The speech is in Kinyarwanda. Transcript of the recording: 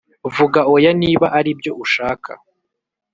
vuga oya niba ari byo ushaka